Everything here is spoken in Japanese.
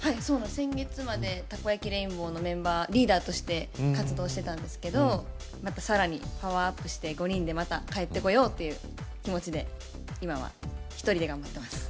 先月までたこやきレインボーのメンバーリーダーとして活動してたんですけどまたさらにパワーアップして５人でまた帰ってこようっていう気持ちで今は１人で頑張ってます